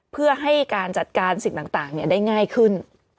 เพื่อให้การจัดการสิ่งต่างได้ง่ายขึ้น